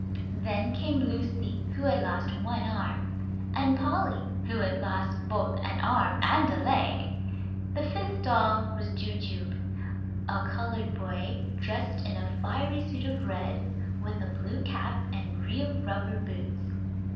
Then came Lucy, who had lost one arm, and Polly, who had lost both an arm and a leg. The fifth doll was Jujube, a colored boy, dressed in a fiery suit of red, with a blue cap and real rubber boots.